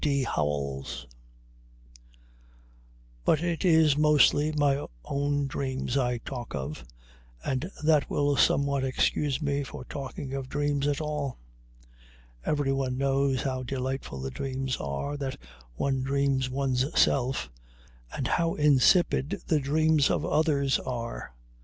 D. HOWELLS But it is mostly my own dreams I talk of, and that will somewhat excuse me for talking of dreams at all. Everyone knows how delightful the dreams are that one dreams one's self, and how insipid the dreams of others are.